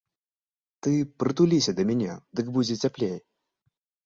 Ты прытуліся да мяне, дык будзе цяплей.